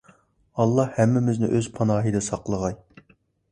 ئاللاھ ھەممىمىزنى ئۆز پاناھىدا ساقلىغاي!